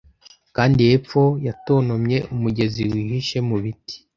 Kandi hepfo yatontomye umugezi wihishe mu biti,